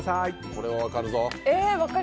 これは分かるぞ。